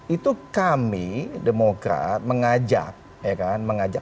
itu kami demokrat mengajak ya kan mengajak